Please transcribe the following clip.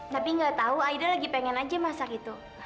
tapi gapau aida lagi pengen aja masak itu